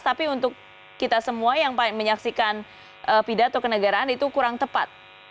tapi untuk kita semua yang menyaksikan pidato kenegaraan itu kurang tepat